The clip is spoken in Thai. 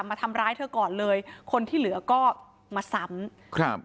มาทำร้ายเธอก่อนเลยคนที่เหลือก็มาซ้ำครับ